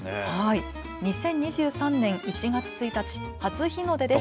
２０２３年１月１日、初日の出です。